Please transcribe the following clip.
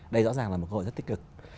đây rõ ràng là một cơ hội rất tích cực